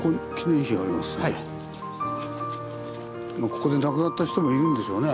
ここで亡くなった人もいるんでしょうね。